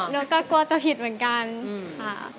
อ๋อแล้วก็กลัวจะผิดเหมือนกันค่ะ